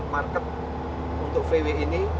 market untuk vw ini